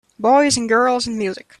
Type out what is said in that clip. Boys and girls and music.